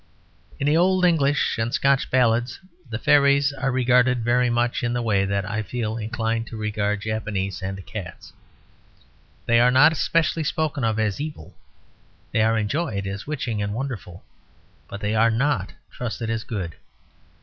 In the old English and Scotch ballads the fairies are regarded very much in the way that I feel inclined to regard Japs and cats. They are not specially spoken of as evil; they are enjoyed as witching and wonderful; but they are not trusted as good.